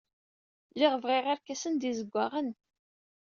Lliɣ bɣiɣ irkasen d izewwaɣen.